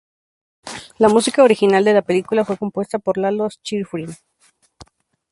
La música original de la película fue compuesta por Lalo Schifrin.